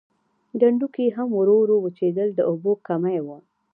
ډنډونکي هم ورو ورو وچېدل د اوبو کمی و.